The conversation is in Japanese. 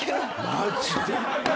マジで。